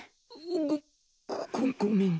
ごごめん。